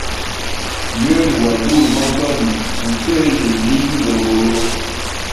Yena gwa gule magani tuteye yiyi nzogolo.